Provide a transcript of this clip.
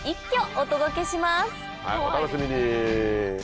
お楽しみに！